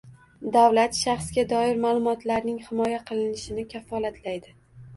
Davlat shaxsga doir ma’lumotlarning himoya qilinishini kafolatlaydi.